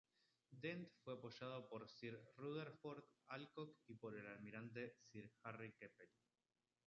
Dent fue apoyado por sir Rutherford Alcock y por el almirante sir Harry Keppel.